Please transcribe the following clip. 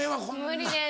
無理です。